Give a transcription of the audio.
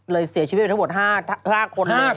เลยเสียชีวิตไปทั้งหมด๕คนเลย